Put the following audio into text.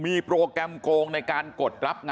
มันต้องการมาหาเรื่องมันจะมาแทงนะ